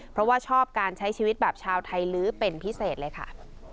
เพราะว่าชอบการใช้ชีวิตแบบชาวไทยลื้อเป็นพิเศษเลยค่ะ